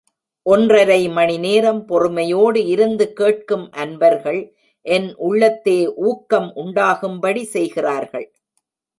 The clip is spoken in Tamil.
ஒன்றரை மணி நேரம் பொறுமையோடு இருந்து கேட்கும் அன்பர்கள் என் உள்ளத்தே ஊக்கம் உண்டாகும்படி செய்கிறார்கள்.